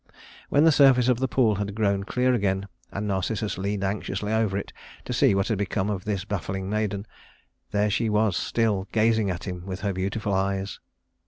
When the surface of the pool had grown clear again, and Narcissus leaned anxiously over it to see what had become of this baffling maiden, there she was still, gazing at him with her beautiful eyes.